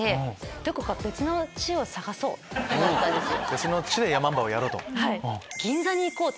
別の地でヤマンバをやろう！と。